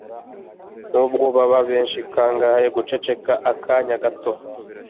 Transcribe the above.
n’ubwo baba benshi kangahe guceceka akanya gato